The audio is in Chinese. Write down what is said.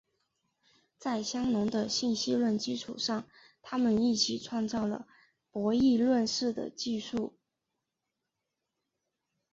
在香农的信息论基础上他们一起创造了博弈论似的技术。